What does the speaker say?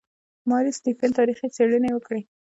ماري سټیفن تاریخي څېړنې وکړې.